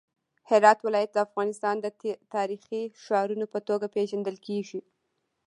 هرات ولایت د افغانستان د تاریخي ښارونو په توګه پیژندل کیږي.